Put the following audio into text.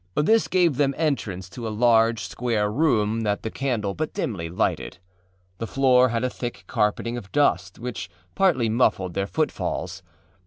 This gave them entrance to a large, square room that the candle but dimly lighted. The floor had a thick carpeting of dust, which partly muffled their footfalls.